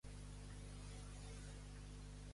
Quin es creu que és el seu albedo?